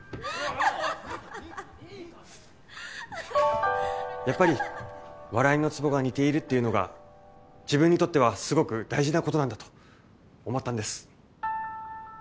現在やっぱり笑いのツボが似ているっていうのが自分にとってはすごく大事なことなんだと思ったんです。